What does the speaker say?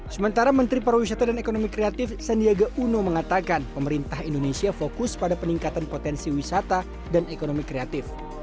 sementara menteri pariwisata dan ekonomi kreatif sandiaga uno mengatakan pemerintah indonesia fokus pada peningkatan potensi wisata dan ekonomi kreatif